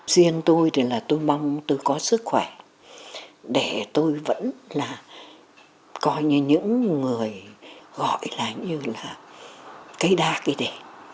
riêng tôi thì là tôi mong tôi có sức khỏe để tôi vẫn là coi như những người gọi là như là cây đa cây để